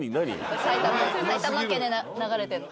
埼玉県で流れてるの。